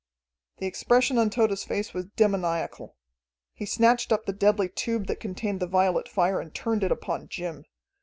The expression on Tode's face was demoniacal. He snatched up the deadly tube that contained the violet fire and turned it upon Jim.